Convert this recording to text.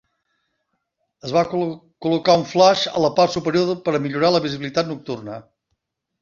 Es va col·locar un flaix a la part superior per a millorar la visibilitat nocturna.